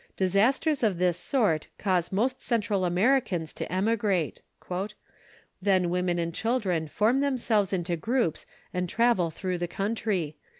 Disasters of this sort cause most Central Americans to emigrate. "Then women and children form themselves into groups and travel through the country.